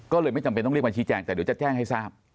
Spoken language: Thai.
ก็เลยไม่จำเป็นต้องเรียกมาชี้แจงแต่เดี๋ยวจะแจ้งให้ทราบ